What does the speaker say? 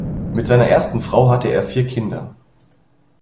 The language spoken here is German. Mit seiner ersten Frau hatte er vier Kinder.